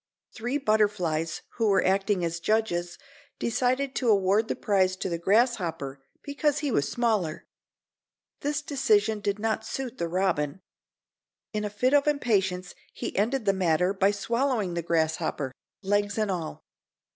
Three butterflies who were acting as judges decided to award the prize to the grasshopper because he was smaller. This decision did not suit the robin. In a fit of impatience he ended the matter by swallowing the grasshopper—legs and all.